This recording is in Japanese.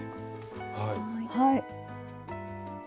はい。